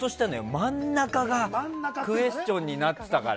真ん中がクエスチョンになってたから。